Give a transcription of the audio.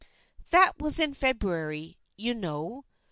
That was in February, you know.